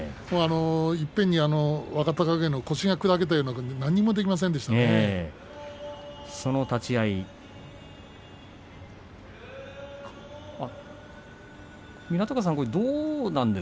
いっぺんに若隆景の腰が砕けてしまいましたその立ち合いです。